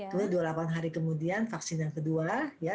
kemudian dua puluh delapan hari kemudian vaksin yang kedua ya